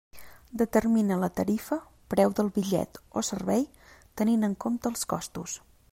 Determina la tarifa, preu del bitllet o servei, tenint en compte els costos.